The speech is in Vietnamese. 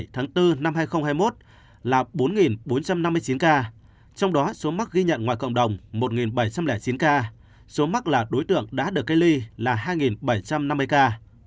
tháng bốn năm hai nghìn hai mươi một là bốn bốn trăm năm mươi chín ca trong đó số mắc ghi nhận ngoài cộng đồng một bảy trăm linh chín ca số mắc là đối tượng đã được cách ly là hai bảy trăm năm mươi ca